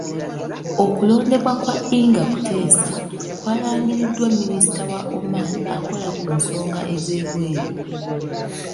Okulondebwa kwa Ingah Kuteesa kwalangiriddwa Minisita wa Oman akola ku nsonga ez'ebweru.